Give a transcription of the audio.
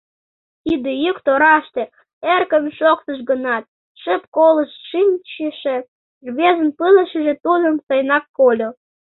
Тиде йӱк тораште, эркын шоктыш гынат, шып колышт шинчыше рвезын пылышыже тудым сайынак кольо.